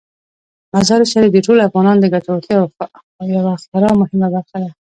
مزارشریف د ټولو افغانانو د ګټورتیا یوه خورا مهمه برخه ده.